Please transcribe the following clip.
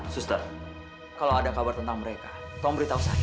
suster kalau ada kabar tentang mereka tolong beritahu saya